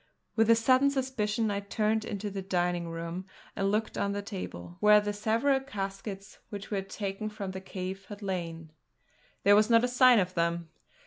With a sudden suspicion I turned into the dining room and looked on the table, where the several caskets which we had taken from the cave had lain. There was not a sign of them!